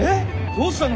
どうしたの？